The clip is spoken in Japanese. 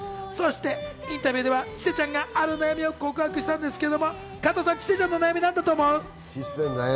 インタビューではちせちゃんがある悩みを告白したのですが、加藤さん、ちせちゃんの悩みなんだと思う？